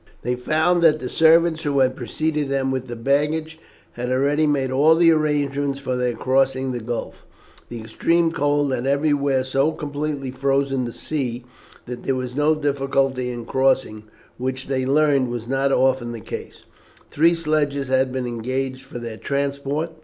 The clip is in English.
They found that the servant who had preceded them with the baggage had already made all the arrangements for their crossing the gulf. The extreme cold had everywhere so completely frozen the sea that there was no difficulty in crossing, which, they learned, was not often the case. Three sledges had been engaged for their transport.